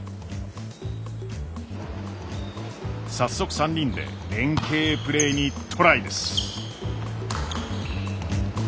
早速３人で連携プレーにトライです。